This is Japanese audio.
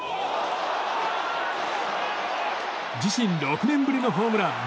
自身６年ぶりのホームラン。